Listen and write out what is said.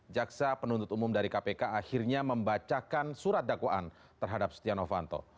jaksa penuntut umum dari kpk akhirnya membacakan surat dakwaan terhadap setia novanto